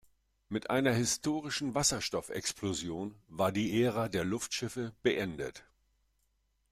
Mit einer historischen Wasserstoffexplosion war die Ära der Luftschiffe beendet.